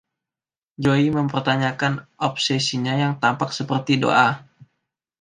Zooey mempertanyakan obsesinya yang tampak seperti doa.